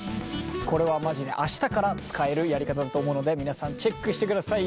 これはまじで明日から使えるやり方だと思うので皆さんチェックしてください。